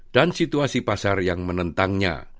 dan situasi pasar yang menentangnya